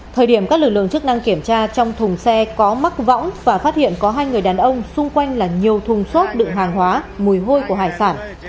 thời điểm các lực lượng chức năng kiểm tra trong thùng xe có mắc võng và phát hiện có hai người đàn ông xung quanh là nhiều thùng xốp đựng hàng hóa mùi hôi của hải sản